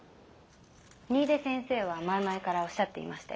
新出先生は前々からおっしゃっていましたよ。